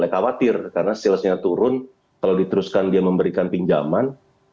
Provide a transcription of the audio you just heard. jadi saya khawatir karena salesnya turun kalau diteruskan dia memberikan pinjaman